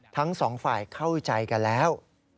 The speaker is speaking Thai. ทั้งสองฝ่ายเข้าใจกันแล้ว